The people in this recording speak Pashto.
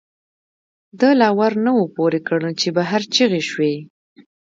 دَ لا ور نه وو پورې کړ، چې بهر چغې شوې